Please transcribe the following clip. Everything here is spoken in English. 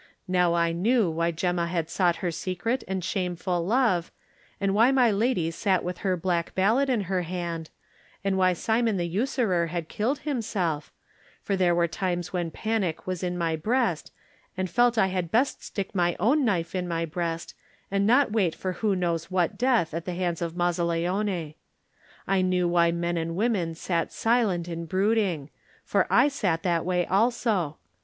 Now I knew why Gemma had sought her secret and shameful love, and why my lady sat with her black ballot in her hand, and why Simon the usurer had killed himself, for there were times when panic was in my breast and I 45 Digitized by Google THE NINTH MAN felt I had best stick my own knife in my breast and not wait for who knows what death at the hands of Mazzaleone. I knew why men and women sat silent and brood ing, for I sat that way also.